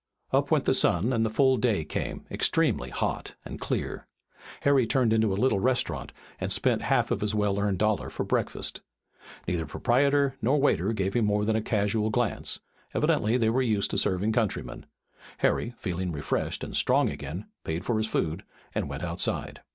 Up went the sun, and the full day came, extremely hot and clear. Harry turned into a little restaurant, and spent half of his well earned dollar for breakfast. Neither proprietor nor waiter gave him more than a casual glance. Evidently they were used to serving countrymen. Harry, feeling refreshed and strong again, paid for his food and went outside.